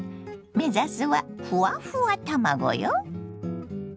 目指すはふわふわ卵よ。